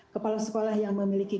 kepala sekolah yang memiliki